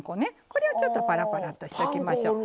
これをちょっとパラパラッとしときましょう。